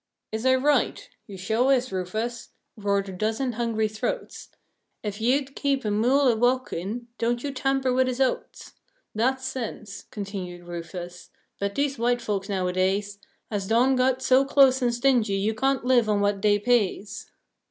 "Is I right?" "You sho is, Rufus!" roared a dozen hungry throats. "Ef you'd keep a mule a wo'kin', don't you tamper wid his oats. Dat's sense," continued Rufus. "But dese white folks nowadays Has done got so close and stingy you can't live on what dey pays.